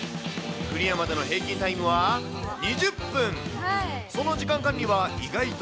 クリアまでの平均タイムは２０分。